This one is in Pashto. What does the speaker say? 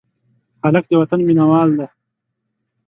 هلک د وطن مینه وال دی.